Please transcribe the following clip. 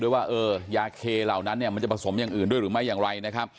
ด้วยว่าว่ายาเคเหล่านั้นมันจะผสมอย่างอื่นด้วยหรือไม่อย่างไร